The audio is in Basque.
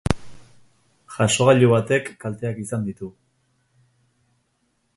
Jasogailu batek kalteak izan ditu.